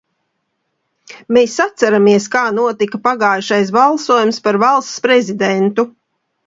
Mēs atceramies, kā notika pagājušais balsojums par Valsts prezidentu.